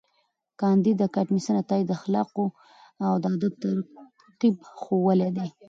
کانديد اکاډميسن عطایي د اخلاقو او ادب ترکیب ښوولی دی.